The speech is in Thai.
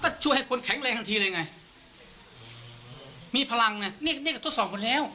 ก็ช่วยให้คนแข็งแรงทันทีเลยไงมีพลังน่ะเนี่ยเนี่ยกับทุกสองคนแล้ว